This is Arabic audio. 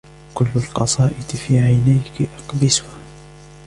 كلُّ القصائدِ من عينيكِ أقبسها